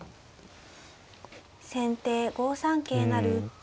先手５三桂成。